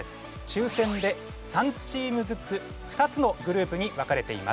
ちゅうせんで３チームずつ２つのグループにわかれています。